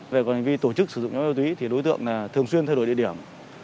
về tổ chức sử dụng nhóm ma túy thì đối tượng thường xuyên thay đổi địa điểm